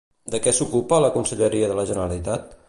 De què s'ocupa a la Conselleria de la Generalitat?